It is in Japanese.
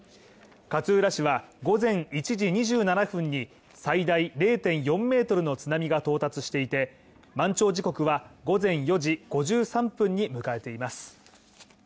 勝浦市では午前１時２７分に最大０．４ｍの津波が到達していて、満潮時刻は午前４時５３分に迎えています。